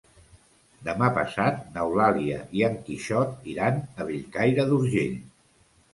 Demà passat n'Eulàlia i en Quixot iran a Bellcaire d'Urgell.